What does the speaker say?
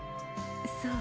そう。